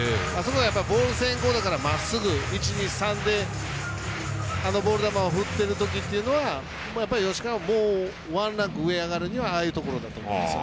ボール先行だからまっすぐ１、２、３であのボール球を振ってるときというのは吉川ワンランク上に上がるのはああいうところだと思うんです。